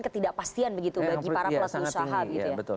ketidakpastian bagi para pelaku usaha